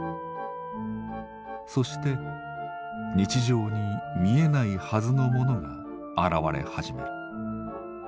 そして日常に見えないはずのものが現れ始める。